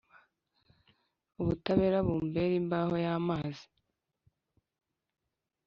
ubutabera bumbere imbaho y’amazi.